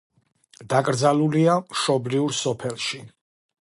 დაკრძალულია მშობლიურ სოფელში.